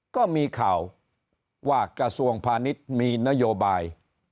ก็มีข่าวว่ากระทรวงพาณิชย์มีนโยบาย